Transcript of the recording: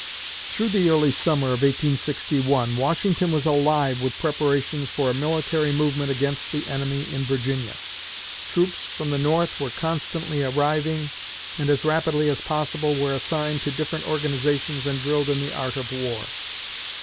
Through the early summer of 1861 Washington was alive with preparations for a military movement against the enemy in Virginia. Troops from the North were constantly arriving, and as rapidly as possible were assigned to different organizations and drilled in the art of war.